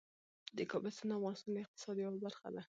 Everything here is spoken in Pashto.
د کابل سیند د افغانستان د اقتصاد یوه برخه ده.